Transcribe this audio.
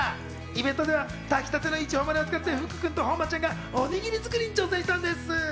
イベントでは炊きたてのいちほまれを使って福くんと誉ちゃんがおにぎり作りに挑戦してくれたんです。